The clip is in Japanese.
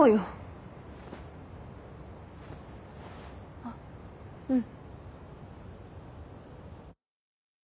あっうん。